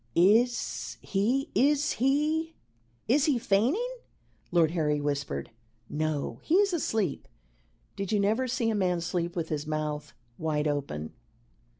"Is he is he is he fainting?" Lord Harry whispered. "No; he is asleep. Did you never see a man sleep with his mouth wide open?"